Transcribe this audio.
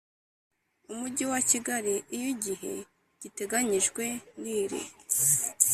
Umujyi wa Kigali iyo igihe giteganyijwe n iri